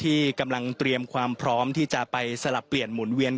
ที่กำลังเตรียมความพร้อมที่จะไปสลับเปลี่ยนหมุนเวียน